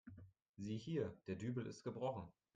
Sieh hier, der Dübel ist gebrochen.